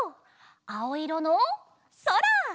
あおいろのそら！